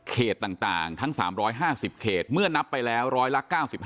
ต่างทั้ง๓๕๐เขตเมื่อนับไปแล้วร้อยละ๙๕